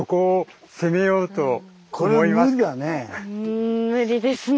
ん無理ですね。